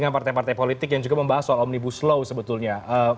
partai politik yang juga membahas soal omnibus law sebetulnya